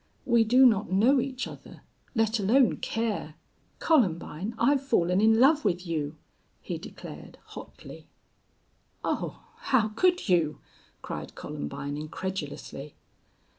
"We do not know each other let alone care " "Columbine, I've fallen in love with you." he declared, hotly. "Oh, how could you!" cried Columbine, incredulously.